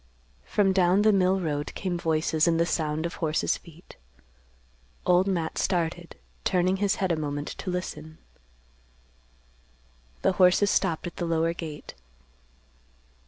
From down the mill road came voices and the sound of horses' feet. Old Matt started, turning his head a moment to listen. The horses stopped at the lower gate.